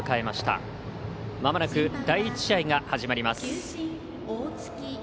まもなく第１試合が始まります。